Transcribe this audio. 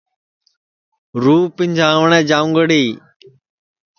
رُوح پِنجانٚوٹؔیں جاؤنٚگڑی